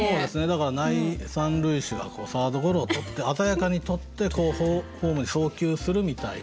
だから三塁手がこうサードゴロを捕って鮮やかに捕ってホームに送球するみたいな。